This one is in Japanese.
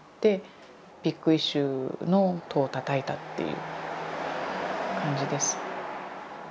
「ビッグイシュー」の戸をたたいたっていう感じです。